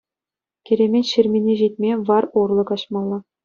Киремет ҫырмине ҫитме вар урлӑ каҫмалла.